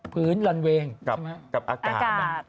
พื้นรันเวงกับกับอากาศ